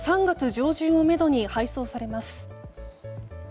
３月上旬をめどに配送されます。